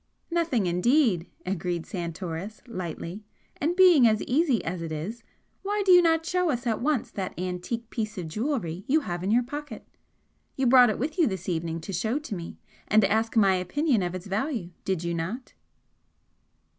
"Nothing, indeed!" agreed Santoris, lightly; "And being as easy as it is, why do you not show us at once that antique piece of jewellery you have in your pocket! You brought it with you this evening to show to me and ask my opinion of its value, did you not?"